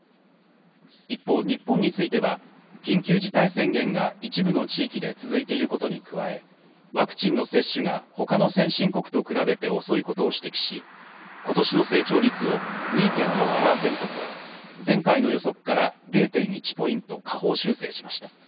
一方、日本については緊急事態宣言が一部の地域で続いていることに加えワクチンの接種がほかの先進国と比べて遅いことを指摘しことしの成長率を２．６％と前回の予測から０．１ポイント下方修正しました。